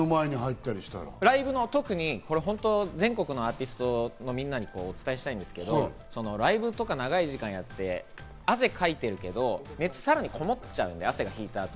ライブの前に入全国のアーティストのみんなにお伝えしたいんですけどライブとか長い時間やって汗かいてるけど、熱がさらにこもっちゃうんで。